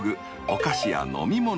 お菓子や飲み物］